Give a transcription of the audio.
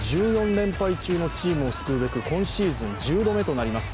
連敗中のチームを救うべく今シーズン１０度目となります